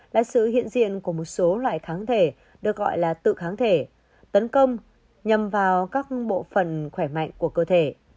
là sự hiện diện của một số loại kháng thể được gọi là tự kháng thể tấn công nhằm vào các bộ phần khỏe mạnh của cơ thể